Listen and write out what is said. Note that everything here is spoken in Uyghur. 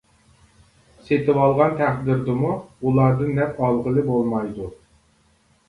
سېتىۋالغان تەقدىردىمۇ ئۇلاردىن نەپ ئالغىلى بولمايدۇ.